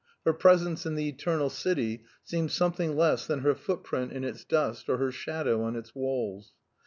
Her presence in the Eternal City seemed something less than her footprint in its dust or her shadow on its walls.